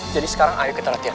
jadi sekarang ayo kita latihan